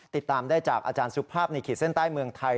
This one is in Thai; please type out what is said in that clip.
ติดตามได้จากอาจารย์สุภาพในขีดเส้นใต้เมืองไทย